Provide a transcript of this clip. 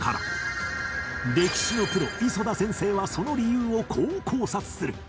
歴史のプロ磯田先生はその理由をこう考察する